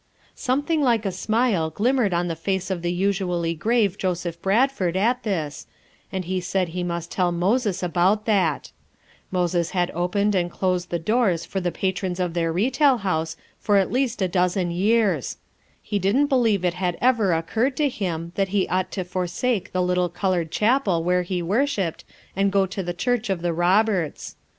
Something like a smile glimmered on the face of the usually grave Joseph Bradford at FOUR MOTHERS AT CHAUTAUQUA 37 this, and he said lie must toll Moses about thai Moses had opened and closed the doors for the patrons of their retail house for at least a dozen years; ho didn't believe it had ever oc curred to him that ho ought to forsake the little colored chapel where he worshiped and go to the church of the Roberts.